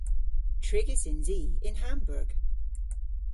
Trigys yns i yn Hamburg.